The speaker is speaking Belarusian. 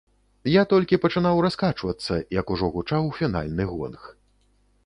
Я толькі пачынаў раскачвацца, як ужо гучаў фінальны гонг.